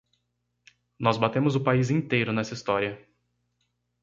Nós batemos o país inteiro nessa história.